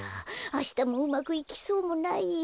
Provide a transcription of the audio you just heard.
あしたもうまくいきそうもないや。